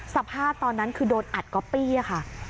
สภาพตอนนั้นคือโดนอัดก๊อปปี้ค่ะ